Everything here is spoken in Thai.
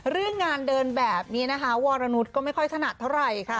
เรื่องงานเดินแบบนี้นะคะวรนุษย์ก็ไม่ค่อยถนัดเท่าไหร่ค่ะ